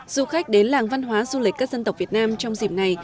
du khách đến làng văn hóa du lịch các dân tộc việt nam trong dịp này